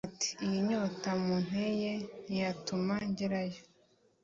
ati "iyi nyota munteye ntiyatuma ngerayo